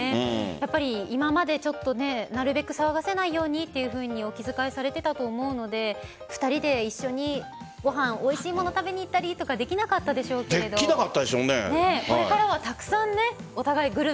やっぱり今までちょっとなるべく騒がせないようにというふうにお気遣いされていたと思うので２人で一緒にご飯、おいしいものを食べに行ってとかできなかったでしょうけどこれからはたくさんね。